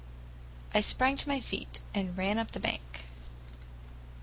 I sprang to my feet and ran up the bank.